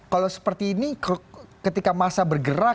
kalau seperti ini ketika masa bergerak